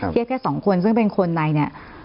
เทียบแค่๒คนซึ่งเป็นคนในนี่